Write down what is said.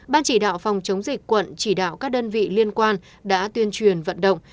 ban chỉ đạo phòng chống dịch quận chỉ đạo các đơn vị liên quan đã tuyên truyền vận động